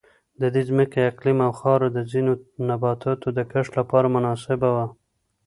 د دې ځمکې اقلیم او خاوره د ځینو نباتاتو د کښت لپاره مناسبه وه.